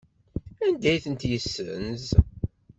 Anda ay ten-yessenz?